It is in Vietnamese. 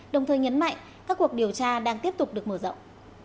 đồng thời nhấn mạnh các cuộc điều tra đang tiếp tục được mở rộng